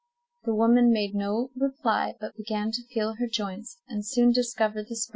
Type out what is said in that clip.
The woman made no reply, but began to feel her joints, and soon discovered the sprain.